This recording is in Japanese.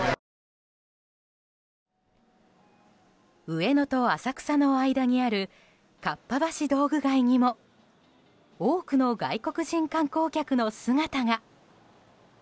上野と浅草の間にあるかっぱ橋道具街にも多くの外国人観光客の姿が。